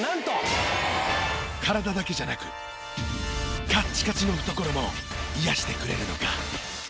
体だけじゃなくカッチカチの懐も癒やしてくれるのか？